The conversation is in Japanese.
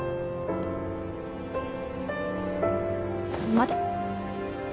待て。